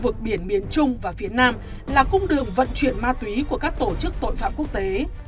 vực biển miền trung và phía nam là cung đường vận chuyển ma túy của các tổ chức tội phạm quốc tế